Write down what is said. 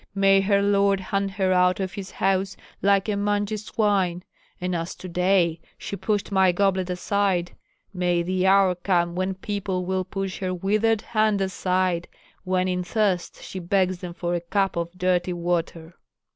May her lord hunt her out of his house like a mangy swine! And as to day she pushed my goblet aside, may the hour come when people will push her withered hand aside, when in thirst she begs them for a cup of dirty water."